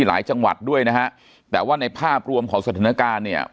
หลายจังหวัดด้วยนะฮะแต่ว่าในภาพรวมของสถานการณ์เนี่ย